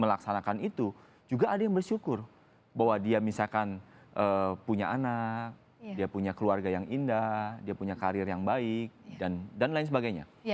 melaksanakan itu juga ada yang bersyukur bahwa dia misalkan punya anak dia punya keluarga yang indah dia punya karir yang baik dan lain sebagainya